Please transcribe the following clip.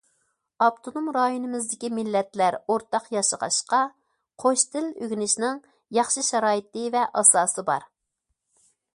ئاپتونوم رايونىمىزدىكى مىللەتلەر ئورتاق ياشىغاچقا،‹‹ قوش تىل›› ئۆگىنىشنىڭ ياخشى شارائىتى ۋە ئاساسى بار.